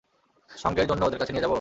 সঙ্গের জন্য ওদের সাথে নিয়ে যাবো?